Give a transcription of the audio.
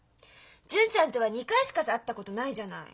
純ちゃんとは２回しか会ったことないじゃない。